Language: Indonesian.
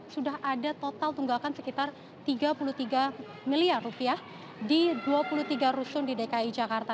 sudah ada total tunggakan sekitar tiga puluh tiga miliar rupiah di dua puluh tiga rusun di dki jakarta